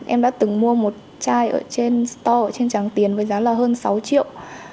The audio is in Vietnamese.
em đã từng mua một chai ở trên store ở trên trang tiền với giá là hơn sáu triệu